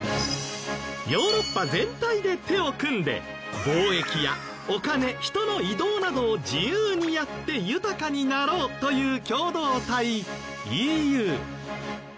ヨーロッパ全体で手を組んで貿易やお金ヒトの移動などを自由にやって豊かになろうという共同体ＥＵ。